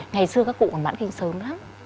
ngày xưa các cụ mà mãn kinh sớm lắm